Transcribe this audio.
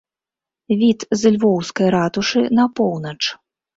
Від з львоўскай ратушы на поўнач.